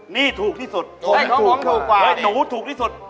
นี่ถูกที่สุดผมถูกกว่าหนูถูกที่สุด